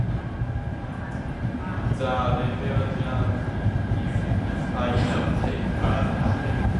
The Rebel jersey is inspired by First Avenue.